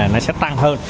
nó sẽ tăng hơn